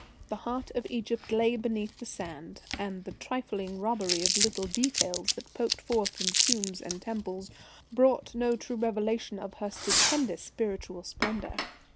The heart of Egypt lay beneath the sand, and the trifling robbery of little details that poked forth from tombs and temples brought no true revelation of her stupendous spiritual splendour.